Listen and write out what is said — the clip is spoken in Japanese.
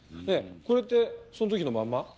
ねえこれってその時のまんま？